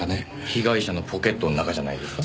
被害者のポケットの中じゃないですか？